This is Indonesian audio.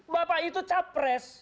bapak itu capres